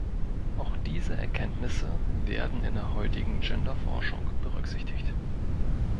Auch diese Erkenntnisse werden in der heutigen Genderforschung berücksichtigt.